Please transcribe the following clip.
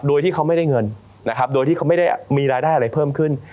โดยที่เขาไม่ได้เงินนะครับโดยที่เขาไม่ได้มีรายได้อะไรเพิ่มขึ้น